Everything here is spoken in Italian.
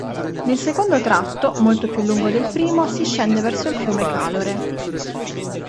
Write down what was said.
Nel secondo tratto, molto più lungo del primo, si scende verso il fiume Calore.